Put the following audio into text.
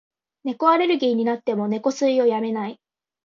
猫アレルギーになっても、猫吸いをやめない。